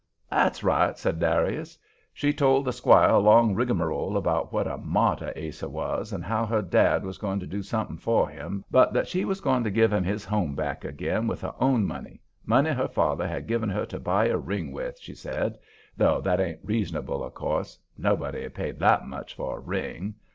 "That's right," said Darius. "She told the squire a long rigamarole about what a martyr Ase was, and how her dad was going to do some thing for him, but that she was going to give him his home back again with her own money, money her father had given her to buy a ring with, she said, though that ain't reasonable, of course nobody'd pay that much for a ring.